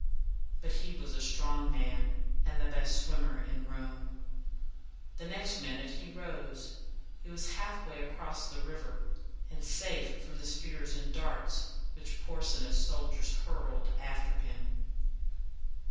But he was a strong man, and the best swimmer in Rome. The next minute he rose. He was half way across the river, and safe from the spears and darts which Porsena's soldiers hurled after him.